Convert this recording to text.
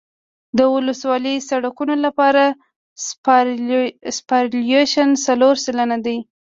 د ولسوالي سرکونو لپاره سوپرایلیویشن څلور سلنه دی